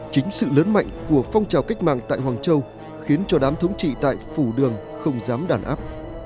chính sự lớn mạnh của phong trào cách mạng tại hoàng châu khiến cho đám thống trị tại phủ đường không dám đàn áp